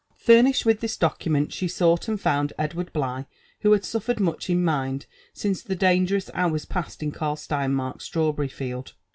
Furnished with this document, she sought and found Edward Bligli , who ha^ suffered muc^ in mind since the dangerous hours passed in Karl Steinmark's strawberry^eld.